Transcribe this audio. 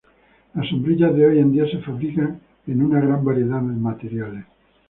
Las sombrillas de hoy en día se fabrican en una gran variedad de materiales.